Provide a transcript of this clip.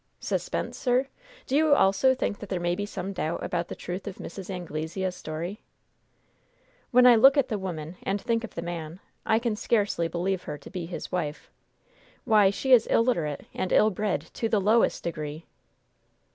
"'Suspense,' sir? Do you also think that there may be some doubt about the truth of Mrs. Anglesea's story?" "When I look at the woman, and think of the man, I can scarcely believe her to be his wife. Why, she is illiterate and ill bred to the lowest degree!"